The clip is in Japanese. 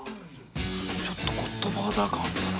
ちょっとゴッドファーザー感あったな。